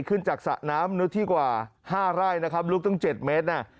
ขึ้นจากสระน้ำเนื้อที่กว่า๕ไร่นะครับลึกตั้ง๗เมตรน่ะ